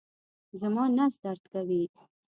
زما نس درد کوي